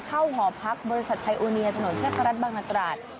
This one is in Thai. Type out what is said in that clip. เข้าหอพักบริษัทไพโอเนียถนนเทพรัฐบางรักราช